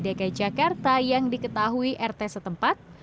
dki jakarta yang diketahui rt setempat